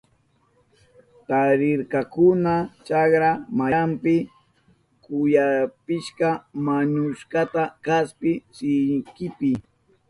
Tarirkakuna chakra mayanpi kuyapisika wañushkata kaspi sikinpi.